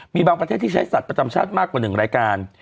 มีบางประเทศที่ใช้สัตว์ประจำชาติมากกว่า๑รายการ